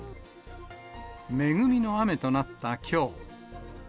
恵みの雨となったきょう。